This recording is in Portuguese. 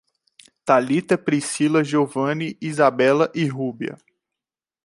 Talita, Priscila, Giovani, Isabela e Rúbia